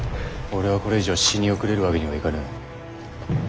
俺はこれ以上死に後れるわけにはいかぬ。